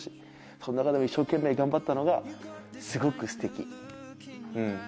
その中でも一生懸命頑張ったのがすごくすてき。